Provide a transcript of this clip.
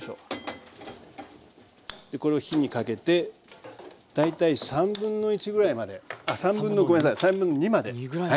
これを火にかけて大体1/3ぐらいまであっごめんなさい2/3まで。